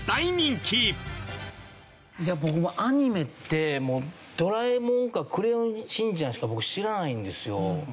僕もうアニメって『ドラえもん』か『クレヨンしんちゃん』しか僕知らないんですよ。